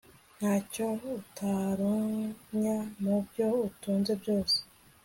ntacyo utoranya mu byo utunze byose